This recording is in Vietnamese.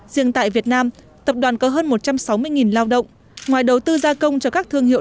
riêng tại việt nam tập đoàn có hơn một trăm sáu mươi lao động ngoài đầu tư gia công cho các thương hiệu